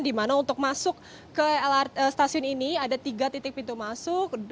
di mana untuk masuk ke stasiun ini ada tiga titik pintu masuk